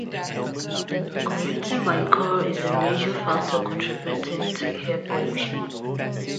Commuting by car is a major factor contributing to air pollution.